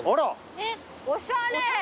おしゃれ。